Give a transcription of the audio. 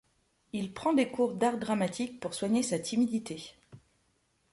Il prend des cours d'art dramatique pour soigner sa timidité.